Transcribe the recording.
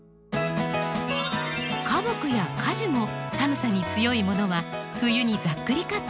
花木や果樹も寒さに強いものは冬にざっくりカットをすることができます。